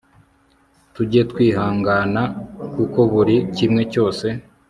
tujye twihangana kuko buri kimwe cyose